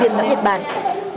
viên lõng nhật bản trung tâm y tế